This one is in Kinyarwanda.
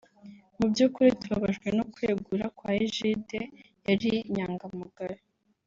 mu byukuri tubabajwe no kwegura kwa Egide yari inyangamugayo